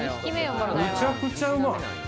むちゃくちゃうまい！